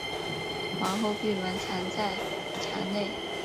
皇后闭门藏在墙内。